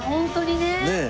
ねえ。